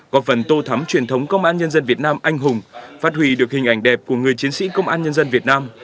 có phần tô thắm truyền thống công an nhân dân việt nam anh hùng phát huy được hình ảnh đẹp của người chiến sĩ công an nhân dân việt nam